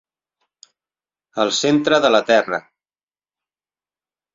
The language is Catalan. El centre de la Terra.